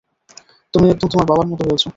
তুমি একদম তোমার বাবার মতো হয়েছ।